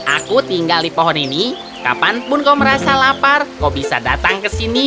aku tinggal di pohon ini kapanpun kau merasa lapar kau bisa datang ke sini